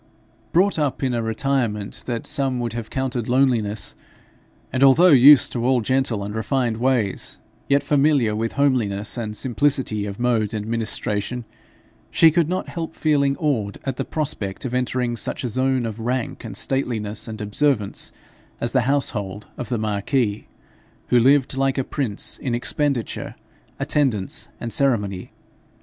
Brought up in a retirement that some would have counted loneliness, and although used to all gentle and refined ways, yet familiar with homeliness and simplicity of mode and ministration, she could not help feeling awed at the prospect of entering such a zone of rank and stateliness and observance as the household of the marquis, who lived like a prince in expenditure, attendance, and ceremony.